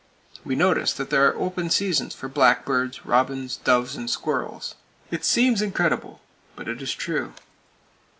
We notice that there are open seasons for blackbirds, robins, doves and squirrels! It seems incredible; but it is true.